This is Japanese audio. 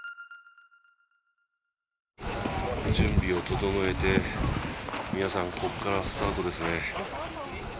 準備を整えて、皆さんここからスタートですね。